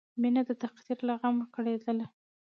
مینه د تقدیر له غمه کړېدله